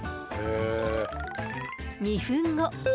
２分後。